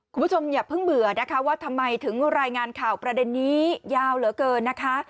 คุณผู้ชมอย่าเพิ่งเบื่อนะคะว่าทำไมถึงรายงานข่าวประเด็นนี้ยาวเหลือเกินนะคะ